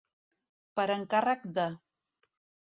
Per encàrrec de.